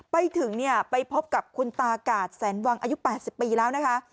ไปถึงเนี่ยไปพบกับคุณตากาดแสนวังอายุ๘๐ปีแล้วนะคะ